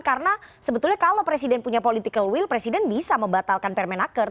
karena sebetulnya kalau presiden punya political will presiden bisa membatalkan permenakar